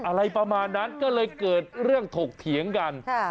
อะไรประมาณนั้นก็เลยเกิดเรื่องถกเถียงกัน